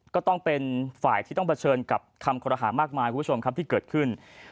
ก็ต้องเป็นฝ่ายที่ต้องเผชิญกับคำคอรหามากมายคุณผู้ชมครับที่เกิดขึ้น